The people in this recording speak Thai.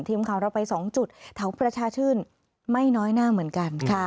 ทีมข่าวเราไป๒จุดแถวประชาชื่นไม่น้อยหน้าเหมือนกันค่ะ